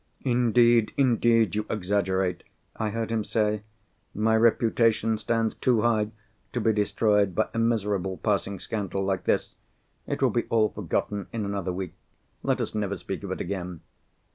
"Indeed, indeed, you exaggerate," I heard him say. "My reputation stands too high to be destroyed by a miserable passing scandal like this. It will be all forgotten in another week. Let us never speak of it again."